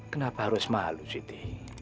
kenapa harus malu siti